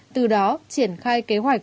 từ đó triển khai kế hoạch